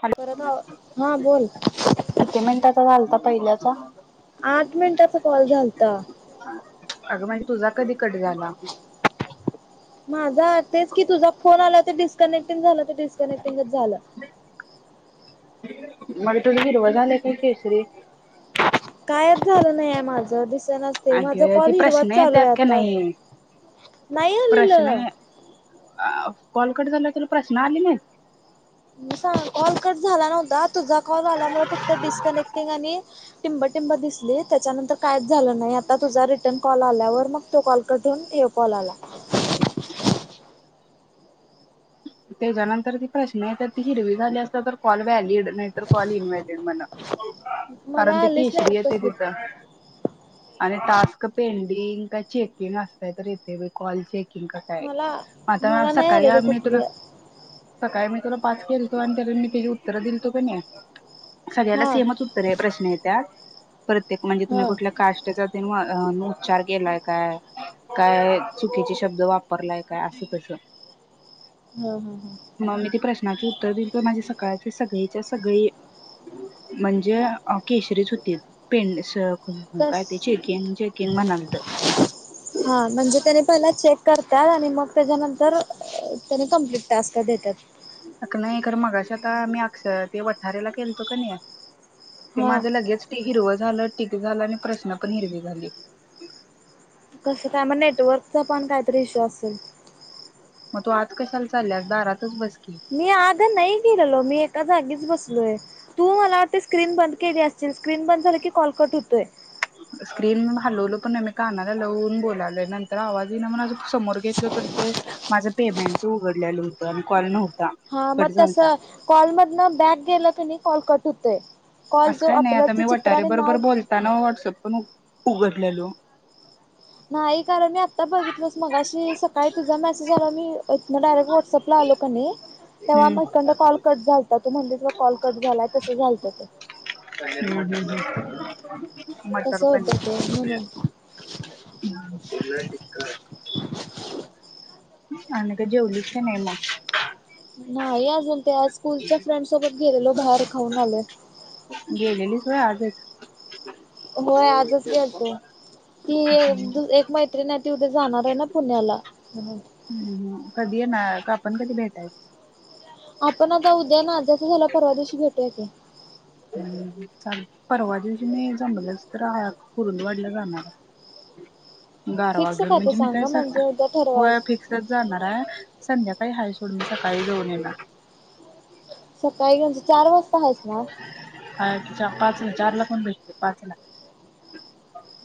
Hello परत आव- हा बोल किती मिनटाचा झालता पहिल्या. हा आठ मिनिटाचा कॉल झालता. अगं म्हणजे तुझा कधी कट झाला. माझा तेच की तुझा. फोन आला तर डिस्कनेक्टिंग झालं तर डिस्कनेक्टिंगच झालं. मग तुझ हिरवा झाले का केसरी. काय झालं नाही माझं. ते माझ अगं ती कॉल हिरवाच प्रश्न चालूहाय येतात का आता नाही नाही प्रश्न आलेलं. कॉल कट झाला तर प्रश्न आली नाहीत. कॉल कट झाला नव्हता. तुझा कॉल झाल्यामुळे फक्त डिस्कनेक्टिंग आणि. टिंबटिंब दिसली त्याच्यानंतर कायच झालं नाही आता तुझा रिटर्न कॉल आल्यावर मग तो कॉल कट होऊन तो कॉल आला त्याच्यानंतर ती प्रश्न येत ती हिरवी झाली असत तर कॉल व्हॅलिड नाहीतर कॉल इनव्हलिड म्हण मला कारण ते आलीच केशरी नाही येते तसली तिथं आणि टास्क पेंडिंग चेकिंग असय तर इथे कॉल चे मला मला नाही आलेले मी तुला कुठली सकाळी मी तुला पाच केलतो आणि त्याला मी त्याची उत्तर दिलतो कनी सगळ्याला हा सेमच उत्तर प्रश्न येत्यात प्रत्येक म्हणजे तुम्ही हा कुठल्या काष्ट अ उच्चार केलाय काय काय चुकीचे शब्द वापरलाय काय असं तस हम्म हम् [inaudible] हम् माझे सकाळचे सगळीच्या सगळी म्हणजे केशरीच होतीत काय ते चेकिंग चेकिंग म्हणालत. हा म्हणजे त्यानी पहिला चेक कर [inaudible] आणि मग त्याच्यानंतर त्याने कंप्लीट टास्क देत्यात [inaudible] नाही तर मगाशी आता मी अक्षर ते वठार्याला केलतो कणी ते हा माझ्या लगेच हिरवं झालं टीक झालं आणि प्रश्न पण हिरवी झाली कसं काय मग नेटवर्कचा पण काहीतरी इशू असेल मग तू आत कशाला चालल्यास दारातच बस की. मी आत नाही गेलेलो मी एका जागीच बसलोय तू मला वाटतय स्क्रीन बंद केली असशील स्क्रीन बंद झालं की कॉलकट होतोय स्क्रीन हलवल पण नाही मी कानाला लावून बोलालोय नंतर आवाज इना म्हण समोर घेतलं तर ते माझं पेमेंटच उघडलेलं होतं आणि कॉल नव्हता हा कट मग झालता तसं कॉल मधनं बॅग गेलं की नाही कॉल कट होत. काय असं काही नाही आता मी वटाऱ्या बरोबर बोलताना व्हॉट्सअप पण ओपन उघडलेलो. नाही कारण मी आता बघितलो मगाशी सकाळी तुझा मेसेज आला मी तिनं डायरेक्ट व्हाट्सअपला आलो का नाही तेव्हा हम्म मग इकडंन कॉल कट झालता तु म्हणलीस बघ कॉल कट झालाय तसं झालंत. मुत् रुपय म्हणून [inaudible] का [inaudible] आणि काय जेवलीस नाही मग नाही अजून ते स्कूलच्या फ्रेंड सोबत गेलेलो बाहेर खाऊन आलो. होय आजचं. होय आजचं. गेलतो, ती एक मैत्रीण जाणार आहे ना पुण्याला. हम्म हम्म कधी येणार हाय आपण कधी भेटायच? आपण आता उद्या नाझिया तुझ झाल्या वर परवा दिवशी भे ये कि. हम्म चालतंय, परवा दिवशी मी जमलंच तर कुरुंदवाडला जाणार आहे. गारवा फिक्स घेऊन ते म्हणजे मी काय सांगा स, म्हणजे उद्या ठरवायच होय फिक्सच जाणार आहे. संध्याकाळी हाय सोड मी सकाळी जऊन येणार. सकाळी घेऊन चार वाजता हायस ना? चा पाचला चारला पण भेटतोय पाचला.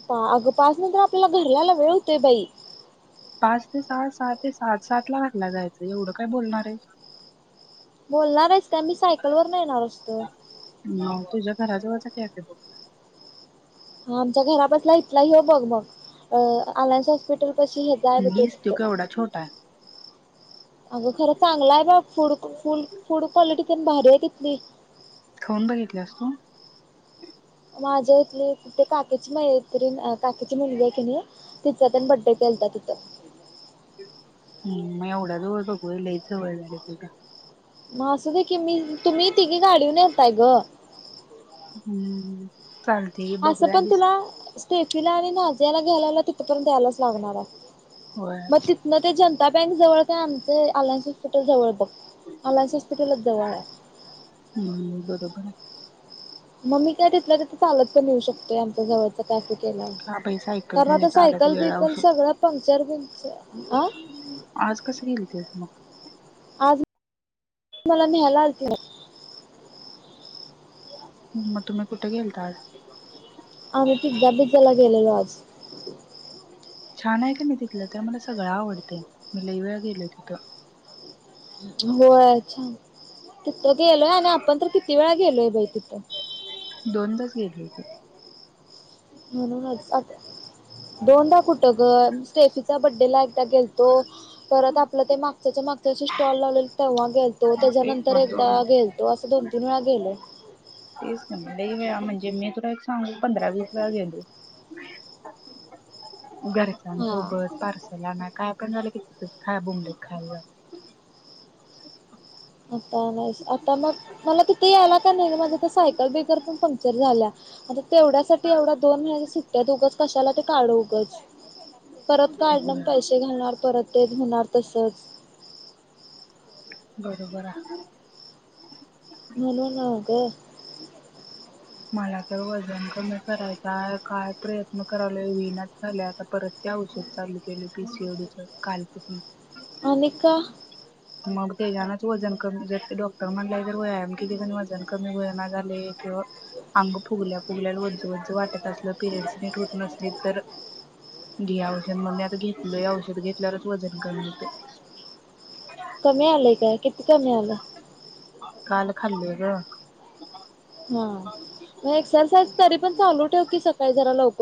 पा अगं पाच नंतर आपल्याला घरला यायला वेळ होतोय बई. पाच ते सात सहा ते सात सात ला घरला जायचं एवढं काय बोलणार आहेत? बोलणार आहेस का मी सायकल वर न येणार असतोय. घरा जवळचा कॅफे बघुया. हा आमच्या घरा पसला इथला यो बघ मग अ अलायन्स हॉस्पिटल कशी हे जायब तो दिस तथं केवढा छोटा आहे अग खरं चांगलाय बघ फूड फू फूड कॉलेटी तेन भारी आहे तिथली. खाऊन बघितल्यास तु? माझ्या इथली ते काकीची मैत्रीण ते काकीची मुलगी आहे की नाही तिचा तेन बर्थडे केलता तिथं. हम्म म एवढ्या जवळ बघू होय लयच जवळ होतय त्याला. म असु दे की मी तुम्ही तिघी गाडीवरून येताय ग. हम्म. चालतय की असं बघूया पण डिस्क तुला स्टेफीला आणि नाजियाला घ्यायला येयला तिथपर्यंत यायलाच लागणार आहे. होय म तितन ते जन जनता बँक जवळ काय आमचे अलायन्स हॉस्पिटल जवळ पड अलायन्स हॉस्पिटलच जवळ आहे. हम्म बरोबर म मी काय तिथल्या तिथ चालत पण येऊ शकतोय आमच्या जवळच कॅफे गेल्यावर, हा बाई सायकल कारण घेऊन आता यायचा आला की सायकल वेळ बीकल औषध सगळं पंक्च चार्जिंगच आज कस गेलतीस म? आज मला न्यायला आलते [unintelligible] म तुम्ही कुठे गेलता आज? आम्ही पिझ्झा बिझ्झाला गेलेलो आज. छान आहे कनी तिथलं ते मला सगळं आवडतं मी लय वेळा गेलोय तिथं. हो अच्छा तिथं गेलोय आणि आपण तर किती वेळा गलोय बै तिथं दोनदाच गलोय की म्हणूनच आ दोनदा कुठ ग स्टेफीचा बर्थडे त्याला एकदा गेलतो परत आपलं ते माग त्याच्या मागच्या वर्षी स्टॉल लावलेला तेव्हा गेलतो. तो तेच त्याच्यानंतर मग एकदा दोन गेलतो असं दोन तीन वेळा गेलोय. तेच ना लई वेळा म्हणजे मी तुला एक सांगु पंधरा वीस वेळा गेलोय. हा घरच्यांसोबत पार्सलाना काय कमी झालं काय तुझं काय बोंबलत आता नाही, आता मग मला ते ते यायला काय नाही गं, माझं ते सायकल बिकर पंक्चर झाल्या. [unintelligible] तेवढ्यासाठी एवढ्या दोन महिने सुट्ट्या हायत उगाच, कशाला ते काढ उगच, परत काढणार होय. पैसे घालणार परत ते, होेणार तसंच, बरोबर हा म्हणून [inaudible] मला तर वजन कमी करायचाय काय प्रयत्न कराला विनाच झालय, आता परत ते औषध चालू केले पीसीओडीच कालपसून. आणि का, मग तेच्यानाच वजन कमी जर ते डॉक्टर म्हणलं ज वयाम की वजन कमी वया ना झाले किंवा आगं फुगल्या फुगल्या वज वज वाटत असेल की पिरियडस नीट होत नसले तर, घे औषध मग मी आता घेतलोय औषध घेतल्यावरच वजन कमी होतंय. कमी आलंय काय, किती कमी आलं? काल खाल्लोय ग. हां. म एक्सरसाइज तरी पण चालू ठेव की स काळी जरा लवक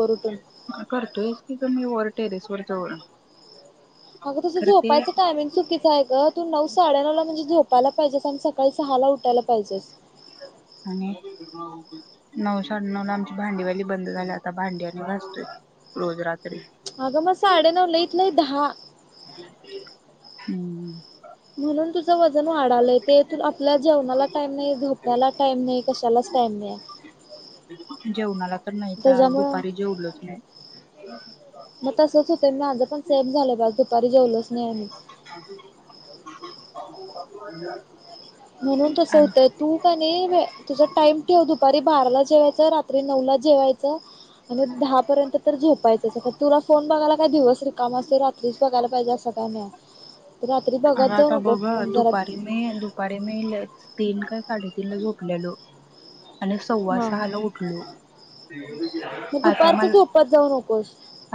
करतोयच की. मी वर टेरेस वर जाऊन अगं तुझ झोपायचं टायमिंग चुकीचं आहे ग. तू नऊ साडेनऊ ला म्हणजे झोपायला पाहिजेस आणि सकाळी सहा ला उठायला पाहिजेस. आणि नऊ साडे नऊ ला आमची भांडीवाली बंद झाल्या आता भांडी आणि घासतोय रोज रात अगं म साडेनऊ लइत लई दहा. हम्म. म्हणून तुझ व जण वाढालय ते तू आपल जेवणाला टाईम नाही, झोपण्याला टाईम नाही, कशालाच टाईम नाही. जेवणाला तर नाहीच आज त्याच्यामुळ दुपारी जेवलोच मग तसच हुतय माझ पण सेम झालंय ब आज दू पारी जेवलोच नाही आणि [inaudible] [unintelligible] म्हणून तस नाही होतंय तू कणी तुझ टाइम ठेव दुपारी बाराला जेवायचं, रात्री नऊला जेवायचं, आणि दहा पर्यंत तर झोपायचंच तुला फोन बघायला काय दिवस रिकामा असतोय रा त्रीच बघायला पाहिजे असं का नाही. रात्री बघत आग आता जाऊ नको बग हा फोन जरा दुपारी मी दुपारी मी तीन का साडेतीन ला झोपलायलो आणि सव्वा हा सहाला उठलो, मग आता दुपारचं मला झोपत जाऊ नकोस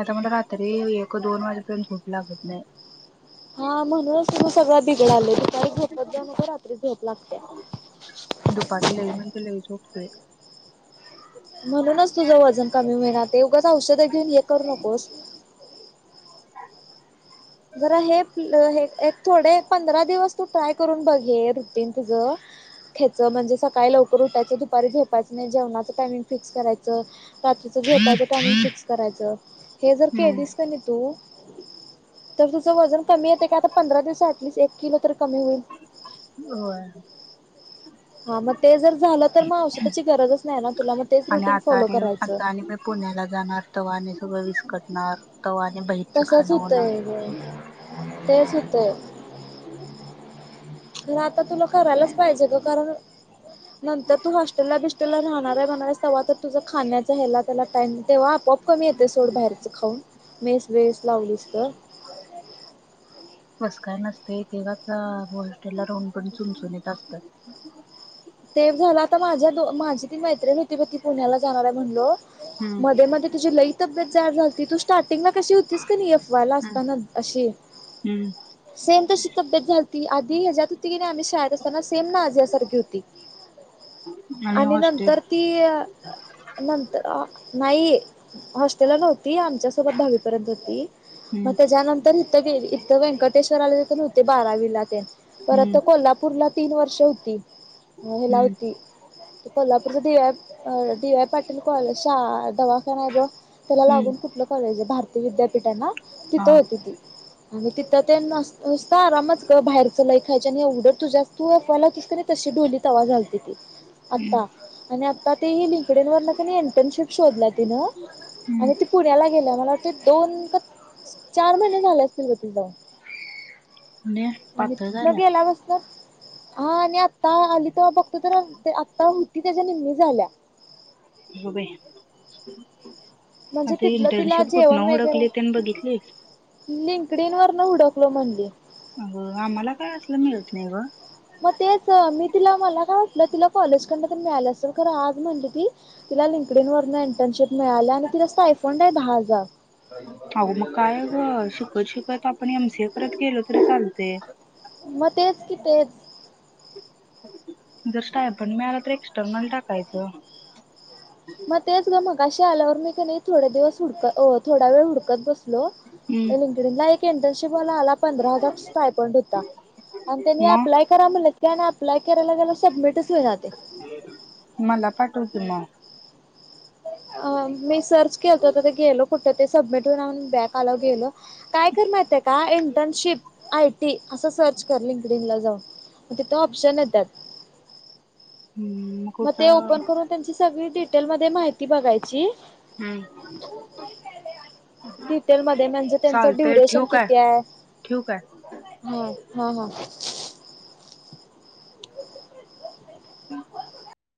आता मला रात्री एक दोन वाज ण झोप लागत नाही. हा मग म्हणूनच तुझ सगळं बिघडलंय दुपारी झोपत जाऊ नको रात्री झोप लागत्या. दुपारी लई म्हणजे लई झोपतोय म्हणूनच तुझं वजन कमी होईना ते उगाच औषधं घेऊन ये करू नकोस, [inaudible] जरा हे हे एक थोडे पंधरा दिवस तू ट्राय करून बघ हे रुटीन तुझ हेच म्हणजे सकाळी लवकर उठायचं दुपारी झोपायचं नाही, जेवणाच टायमिंग फिक्स करायचं, रात्रीच झेपायच टायमिंग फिक्स करायचं. हे जर हम्म केलीस कणी तू तर तुझं वजन कमी येते का आता पंधरा दिवस ऍटलिस्ट किलो तरी कमी होईल. होय हा मग ते जर झालं तर मग औषधाची गरजच नाही ना, तुला मग तेच आणि रुटीन आता फॉलो आणि करायचं. आता आणि मी पुण्याला जाणार तवा आणि सगळं विस्कटणार. तवा आणि बाहेरचं तसाच खाणं होणार होतंय. तेच होतंय. ना त तर तुला करायलाच पाहिजे ग, कारण नंतर तू हॉस्टेलला बिस्टेलला राहणार, म्हणाल्यास तवा तर. तुझं खाण्याचा ह्याला त्याला टाइम तेव्हा आपोआप. खूप कमी येते सोड बाहेरचं खाऊन, मेस वेस लावलीस तर. बस काय नसत तेे का हॉस्टेलला राहून पण चुनचुनीत असतात ते झालं आता माझ्या दो माझी ती, मैत्रिणी होती, ब ती पुण्याला जाणार आहे म्हणलो. हम्म मध्ये मध्ये तुझे लई तब्येत जाड झालती तूश स्टार्टिंगला कशी होतीच का नाही, एफ वाय ला हम्म असताना, अशी हम्म सेम तशी तब्येत झालती आधी ह्याच्यात होती की, नाही आम्ही शाळेत असताना, सेम नाझिया यासारखी होती. आणि नंतर ती अ नंतर. अ नाही हॉस्टेल नव्ह ती आमच्यासोबत दहावीपर्यंत होती. मग हम्म त्याच्यानंतर. जे जे इथं व्यंकटेश्वर आले ज नव्हते बारवीला. तेन परत हम्म कोल्हापूरला. तीन वर्ष होती. हे ला हम्म होती त कोल्हापूरचा दे ॲ अ डी वाय पाटील कॉले शा दवाखाान आहे. ब त्याला हम्म लागून कुठलं कॉलेज आहे. भारतीय विद्यापीठा आहे ना. हा तिथं होती ती. आणि तिथं ते नसत आरामच बाहेर च लय खायची, आणि एवढं तुझ्यास् तूला दिसते तशी डोली. तवा झालती ती. आता हम्म आणि का तेही ली तिकडेन वरण [unintelligible] क इंटर्नशिप शोधला तिनं आणि ती पुण्याला गेलं मला वा ते दोन का चार महिने झाले असतील ग तिजाऊन म्हणजे आणि पातळ तिथन झाल्या गेला म हा आणि आता आलीत तेव्हा बघतो तर आता होती त्याच्या निमी झाल्या. हो बया म्हणजे आता तिथलं तिला इंटर्नशिप कुठनं जेवण वगैरे हुडकली त्यांनी बघितलीत लिंकडइन वरन हुडकलो म्हनली अ आम्हाला काय असलं मिळत नाही ग? मग तेच मी तिला मला ना [unintelligible] तिला कॉलेज कडन पण मिळालं असल खरं आज म्हणल की तिला [unintelligible] वर्ण इंटर्नशिप मिळाल्या आणि तिला [unintelligible] आहे दहा हजार अगं मग काय ग शिकत शिकत आपण एम सी ए परत केल तरी चालतय मग तेच की तेच जर मिळालं तर एक्स्टर्नल टाकायचं. मग तेच गं म कश आल्यावर मी का नाही थोड्या दिवस हुडकत अ थोड्या वेळ हुडकत बस हॅलो हम्म लिंकडीला एक इंटर्नशिप वाला आला पंधरा हजार स्टार्टिंग होता आणि त्यांनी मग अप्लाय करा म्हट त्याने आपला करायला गेला सबमिटच होईना ते मला पाठव की म अ मी सर्च केलत ते गेल कुठं ते सबमिट होइना बॅक मी सर्च केलतो आता गेल कुट ते सबमिटेड बँक आल्यावर गेल काय कर माहितेय का इंटर्नशिप आय टी असं सर्च कर लिंकडनला जाऊन मग तिथे ऑप्शन येत्यात हम्म मग ते कुठं ओपन करून त्यांची सगळी डिटेल डिटेलमध्ये माहिती बघायची हम्म डिटेल मध्ये म्हणजे त्यांचा चालतंय ठेवू ड्युरेशन काय किती आहे ठेवू काय हा हा हां [inaudible]